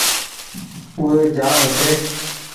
او وي جآم هيتي